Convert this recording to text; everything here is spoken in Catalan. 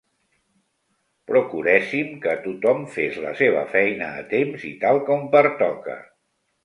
Procuréssim que tothom fes la seva feina a temps i tal com pertoca.